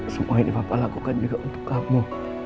semua ini bapak lakukan juga untuk kamu